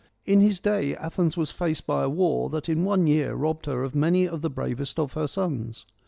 In his day Athens was faced by a war that in one year robbed her of many of the bravest of her sons.